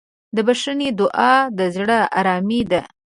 د بښنې دعا د زړه ارامي ده.